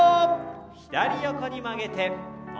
左横に曲げて。